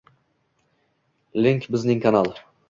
Link bizning kanal 👇👇👇